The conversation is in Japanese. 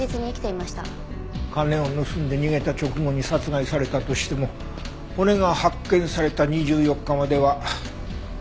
金を盗んで逃げた直後に殺害されたとしても骨が発見された２４日までは。